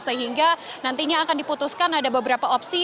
sehingga nantinya akan diputuskan ada beberapa opsi